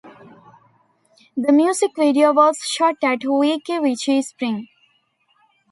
The music video was shot at Weeki Wachee Springs.